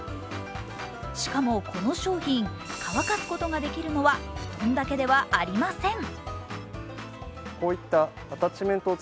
しかもこの商品、乾かすことができるのは布団だけではありません。